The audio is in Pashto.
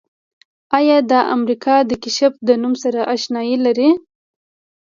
آیا د امریکا د کشف د نوم سره آشنایي لرئ؟